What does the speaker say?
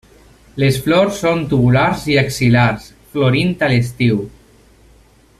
Les flors són tubulars i axil·lars, florint a l'estiu.